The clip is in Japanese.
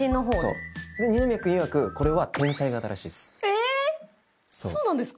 そう二宮くんいわくこれは天才型らしいですそうなんですか？